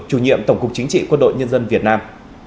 chủ nhiệm tổng cục chính trị quân đội nhân dân việt nam